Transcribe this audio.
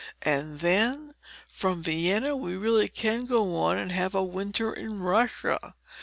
And then, from Vienna, we really can go on and have a winter in Russia.